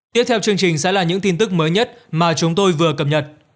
tiếp theo chương trình sẽ là những tin tức mới nhất mà chúng tôi vừa cập nhật